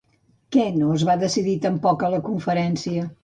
Què no es va decidir tampoc a la conferència?